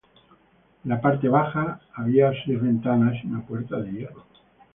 En la parte baja había seis ventanas y una puerta de hierro.